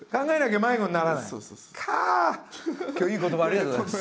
今日いい言葉ありがとうございます。